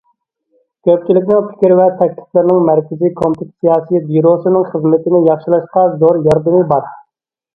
كۆپچىلىكنىڭ پىكىر ۋە تەكلىپلىرىنىڭ مەركىزىي كومىتېت سىياسىي بىيۇروسىنىڭ خىزمىتىنى ياخشىلاشقا زور ياردىمى بار.